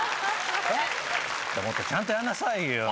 もっとちゃんとやんなさいよ。